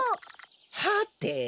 はて？